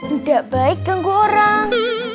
udah baik ganggu orang